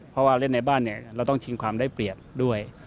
เพราะว่าเล่นในบ้านเนี่ยเราต้องชิงความได้เปรียบด้วย